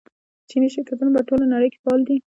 چیني شرکتونه په ټوله نړۍ کې فعال دي.